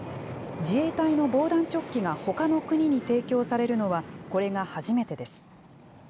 自衛隊の防弾チョッキがほかの国に提供されるのは、これが初めてです。